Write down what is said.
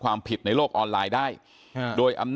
สวัสดีคุณผู้ชมครับสวัสดีคุณผู้ชมครับ